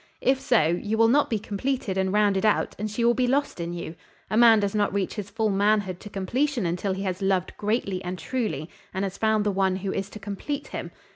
If so, you will not be completed and rounded out, and she will be lost in you. A man does not reach his full manhood to completion until he has loved greatly and truly, and has found the one who is to complete him.